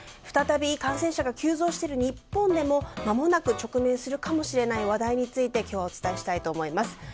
再び、感染者が急増している日本でもまもなく直面するかもしれない課題について今日はお伝えします。